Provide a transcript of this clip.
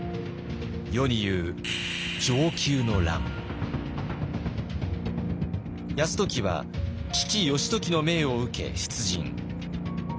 世に言う泰時は父義時の命を受け出陣。